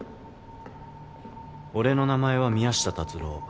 俺の名前は宮下達朗。